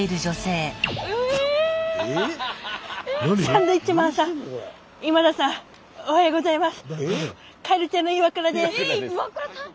サンドウィッチマンさん今田さんおはようございます。